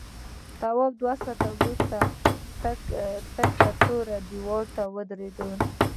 تواب دوه ساعته وروسته تک تور دیوال ته ودرېد.